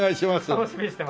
楽しみにしてます。